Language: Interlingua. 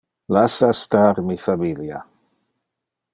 Lassa star mi familia!